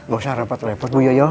gak usah repot repot bu yoyo